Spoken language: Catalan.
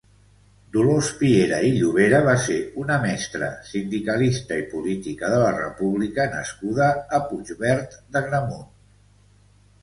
Dolors Piera i Llobera va ser una mestra, sindicalista i politica de la república nascuda a Puigverd d'Agramunt.